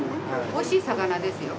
おいしい魚ですよ。